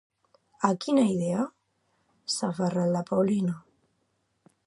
A quina idea s'ha aferrat la Paulina?